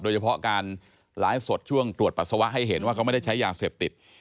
โดยเฉพาะการไลฟ์สดช่วงตรวจปัสสาวะให้เห็นว่าเขาไม่ได้ใช้ยาเสพติด